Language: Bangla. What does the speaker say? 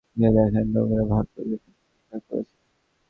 গিয়ে দেখেন, লোকেরা ভোগ-বিলাসে আসক্ত হয়ে পড়েছে।